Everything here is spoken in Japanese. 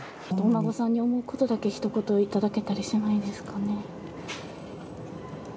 お孫さんに思うことだけ、ひと言頂けたりしないですかね。